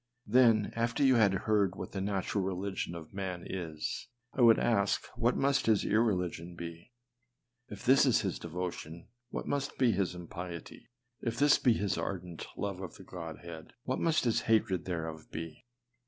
Then after you had heard what the nat ural religion of man is, I would ask what must his irre ligion be ? If this is his devotion, what must be his impiety ? If this be his ardent love of the Godhead, what must his hatred thereof be?